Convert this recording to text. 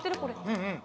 うんうん。